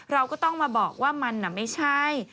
เราก็ต้องมาบอกว่ามันไม่ใช่